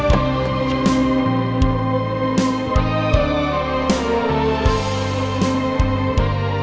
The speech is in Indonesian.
aku masih main